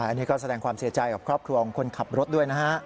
อันนี้ก็แสดงความเสียใจกับครอบครัวของคนขับรถด้วยนะฮะ